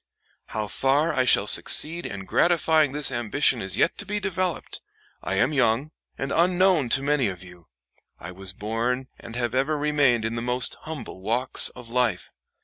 How far I shall succeed in gratifying this ambition is yet to be developed. I am young, and unknown to many of you. I was born and have ever remained in the most humble walks of life.